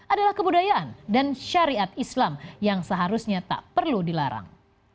adalah kebudayaan dan syariat islam yang seharusnya tak perlu dilarang